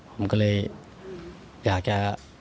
ผมก็เลยอยากจะ